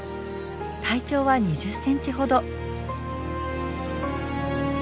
体長は２０センチほど。